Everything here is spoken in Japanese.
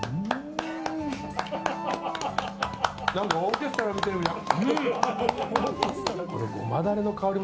何かオーケストラ見てるみたい。